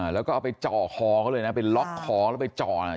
แล้วก็เอาไปจ่อคอเขาเลยนะไปล็อกคอแล้วไปจ่อน่ะ